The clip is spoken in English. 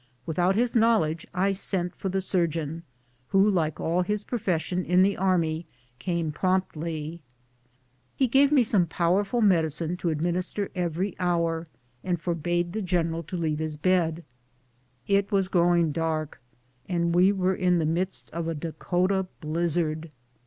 Without his knowledge I sent for the surgeon, who, like all of his profession in the army, came promptly. lie gave me some powerful medicine to administer every hour, and forbade the 20 BOOTS AND SADDLES. general to leave his bed. It was growing dark, and we were in the midst of a Dakota blizzard.